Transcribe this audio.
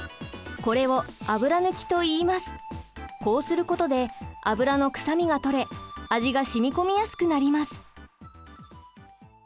これをこうすることで油の臭みがとれ味が染み込みやすくなります。